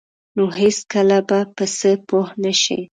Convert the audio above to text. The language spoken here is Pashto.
نو هیڅکله به په څه پوه نشئ.